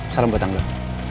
salam batang gua